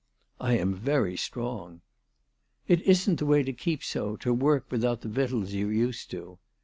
" I am very strong." " It isn't the way to keep so, to work without the victuals you're used to."